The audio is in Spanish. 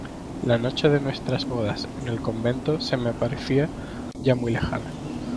la noche de nuestras bodas en el convento se me aparecía ya muy lejana